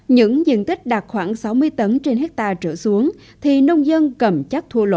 những diện tích đạt khoảng sáu mươi tấn trên hectare trở xuống thì nông dân cầm chắc thua lỗ